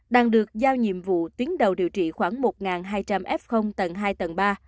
đang được giao nhiệm vụ tuyến đầu điều trị khoảng một hai trăm linh f tầng hai tầng ba